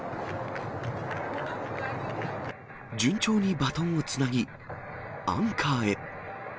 順調にバトンをつなぎ、アンカーへ。